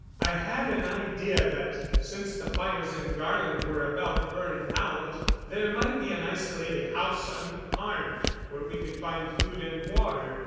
I had an idea that, since the fires in Garland were about burned out, there might be an isolated house unharmed, where we could find food and water.